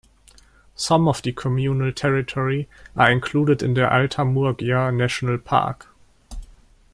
Some of the communal territory are included in the Alta Murgia National Park.